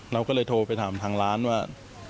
เราก็เลยโทรไปถามทางร้านว่า